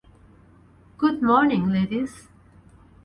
Good morning, ladies!